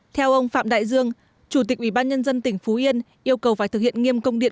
theo ông phạm đại dương chủ tịch ủy ban nhân dân tỉnh phú yên yêu cầu phải thực hiện nghiêm công điện